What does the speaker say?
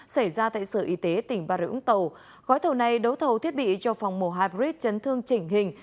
xảy ra tại sở y tế tỉnh bà rịa úng tàu gói thầu này đấu thầu thiết bị cho phòng mổ hybrid chấn thương chỉnh hình